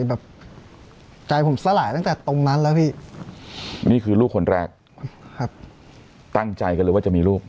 แบบใจผมสลายตั้งแต่ตรงนั้นแล้วพี่นี่คือลูกคนแรกครับตั้งใจกันเลยว่าจะมีลูก